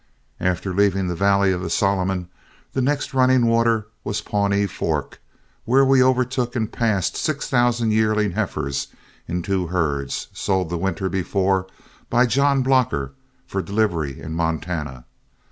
After leaving the valley of the Solomon, the next running water was Pawnee Fork, where we overtook and passed six thousand yearling heifers in two herds, sold the winter before by John Blocker for delivery in Montana.